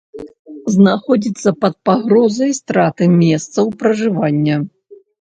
Знаходзіцца пад пагрозай страты месцаў пражывання.